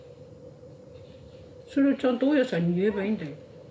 それをちゃんと大家さんに言えばいいんだよ。